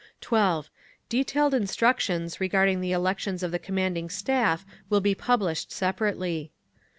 12. Detailed instructions regarding the elections of the commanding Staff will be published separately.